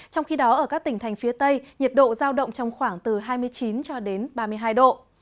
trong khi đó ở các tỉnh thành phía tây nhiệt độ giao động trong khoảng từ hai mươi chín cho đến ba mươi hai độ